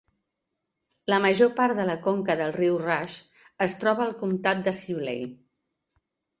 La major part de la conca del riu Rush es troba al comtat de Sibley.